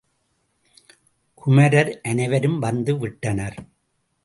குமரர் அனைவரும் வந்து விட்டனர்.